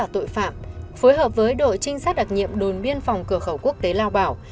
tội phạm phối hợp với đội trinh sát đặc nhiệm đồn biên phòng cửa khẩu quốc tế lao bảo